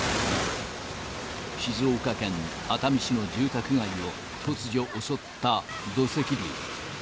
静岡県熱海市の住宅街を突如襲った、土石流。